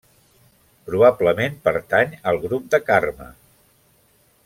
Probablement pertany al grup de Carme.